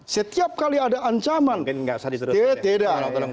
setiap kali ada ancaman tidak